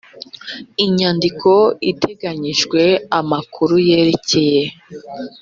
inyandiko iteganyijwe amakuru yerekeye